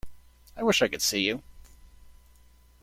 I wish I could see you.